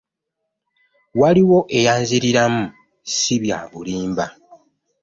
Waliwo eyanziriramu si byabulimba .